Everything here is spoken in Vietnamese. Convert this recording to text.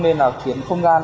nên là khiến không gian